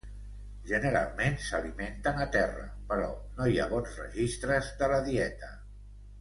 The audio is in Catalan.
Generalment s'alimenten a terra, però no hi ha bons registres de la dieta.